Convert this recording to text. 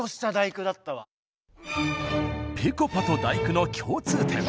ぺこぱと「第９」の共通点。